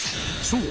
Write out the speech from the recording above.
［そう。